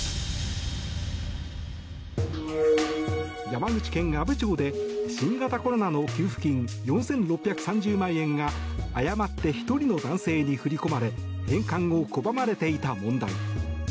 山口県阿武町で新型コロナの給付金４６３０万円が誤って１人の男性に振り込まれ返還を拒まれていた問題。